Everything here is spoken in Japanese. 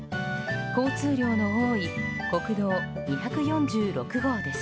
交通量の多い国道２４６号です。